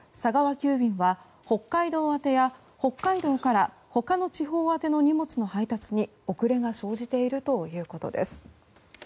急便は北海道宛てや北海道から他の地方宛ての荷物の配達に遅れが生じているということです。